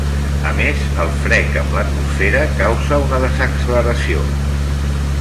A més el frec amb l'atmosfera causa una desacceleració.